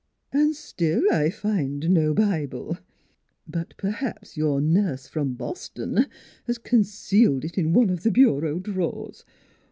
... An' still I find no Bi ble. ... But perhaps your nurse from Bos ton has concealed it in one of th' bureau drawers.